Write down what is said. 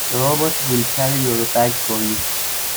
The robot will carry your bags for you.